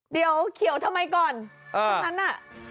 เดี๋ยวเขียวทำไมก่อนตรงนั้นน่ะ